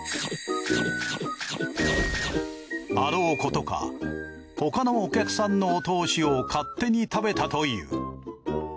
あろうことか他のお客さんのお通しを勝手に食べたという。